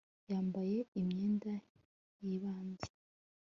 Yambaye imyenda yibanze